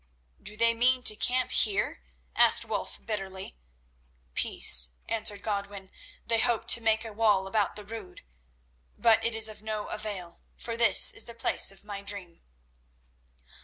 "Do they mean to camp here?" asked Wulf bitterly. "Peace," answered Godwin; "they hope to make a wall about the Rood. But it is of no avail, for this is the place of my dream."